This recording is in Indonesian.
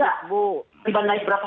karena berusaha menguasai